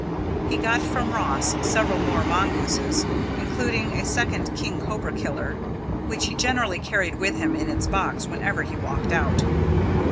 He got from Ross several more mongooses, including a second king cobra killer, which he generally carried with him in its box whenever he walked out.